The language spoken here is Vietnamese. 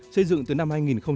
xây dựng từ năm hai nghìn chín